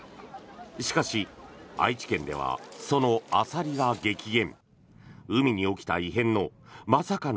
しかし、愛知県ではそのアサリが激減。